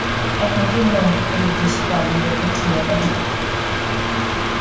এক নতুন গন্তব্যের উদ্দেশ্যে পালগুলোকে খুলে দাও!